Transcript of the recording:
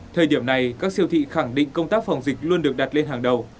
thời điểm này các siêu thị khẳng định công tác phòng dịch luôn được đặt lên hàng đầu